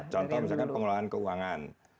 contoh misalkan pengelolaan keuangan